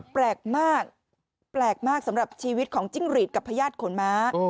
แปลกมากแปลกมากสำหรับชีวิตของจิ้งหรีดกับพญาติขนมม้า